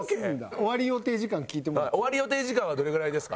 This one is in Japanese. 終わり予定時間はどれぐらいですか？